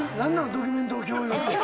ドキュメントを共有って。